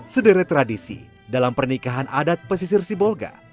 sederet tradisi dalam pernikahan adat pesisir sibolga